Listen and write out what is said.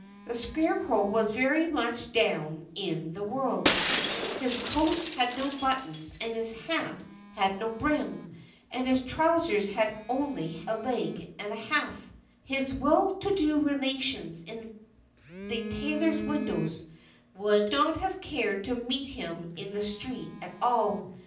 The scarecrow was very much down in the world his coat had no buttons and his hat had no brim, and his trousers had only a leg and a half his well to do relations in the tailors' windows would not have cared to meet him in the street at all.